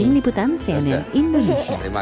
tim liputan cnn indonesia